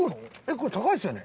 これ高いですよね？